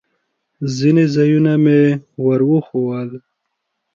ځینې ځایونه مې ور وښوول.